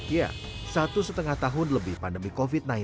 ya satu setengah tahun lebih pandemi covid sembilan belas